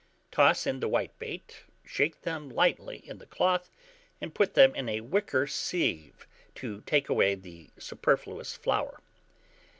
Toss in the whitebait, shake them lightly in the cloth, and put them in a wicker sieve to take away the superfluous flour.